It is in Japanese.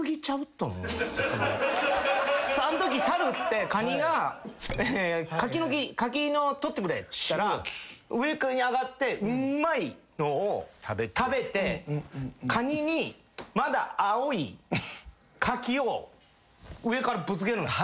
あんとき猿ってカニが柿の木柿取ってくれって言ったら上あがってうまいのを食べてカニにまだ青い柿を上からぶつける。